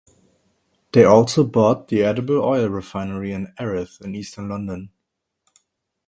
They also bought the edible oil refinery in Erith in eastern London.